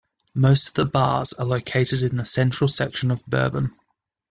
Most of the bars are located in the central section of Bourbon.